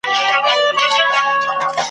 زموږ پر درد یې ګاونډي دي خندولي !.